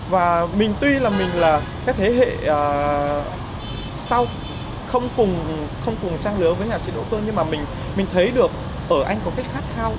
và mình tuy là mình là cái thế hệ sau không cùng trang lứa với nhạc sĩ đỗ phương nhưng mà mình thấy được ở anh có cái khát khao